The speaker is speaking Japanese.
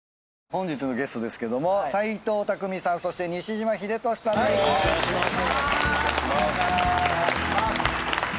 本日のゲストですけども斎藤工さん西島秀俊さんです。